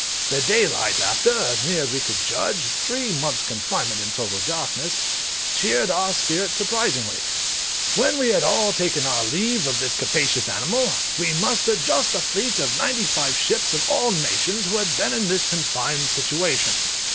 The daylight, after, as near as we could judge, three months' confinement in total darkness, cheered our spirits surprisingly. When we had all taken our leave of this capacious animal, we mustered just a fleet of ninety five ships, of all nations, who had been in this confined situation.